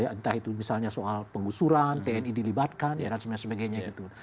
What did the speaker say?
entah itu misalnya soal penggusuran tni dilibatkan ya dan sebagainya gitu